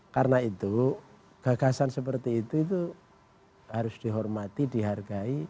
karena itu gagasan seperti itu harus dihormati dihargai